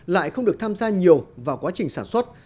lại không được tham gia nhiều vào quá trình sản xuất